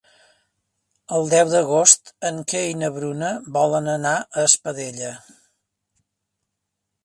El deu d'agost en Quer i na Bruna volen anar a Espadella.